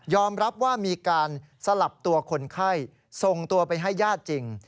รับว่ามีการสลับตัวคนไข้ส่งตัวไปให้ญาติจริง